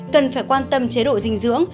cần phải quan tâm chế độ dinh dưỡng